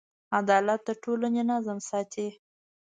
عدالت د ټولنې نظم ساتي.